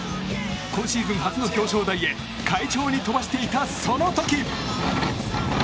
今シーズン初の表彰台へ快調に飛ばしていた、その時。